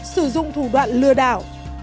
sử dụng thủ đoạn lừa đảo